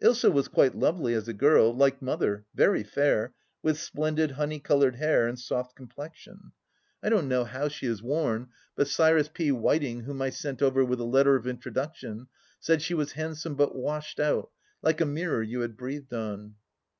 Ilsa was quite lovely as a girl— like Mother, very fair, with splendid honey coloured hair and soft complexion. I don't 8 THE LAST DITCH know how she has worn, but Cyrus P. Whiteing, whom I sent over with a letter of introduction, said she was handsome but washed out, like a mirror you had breathed on.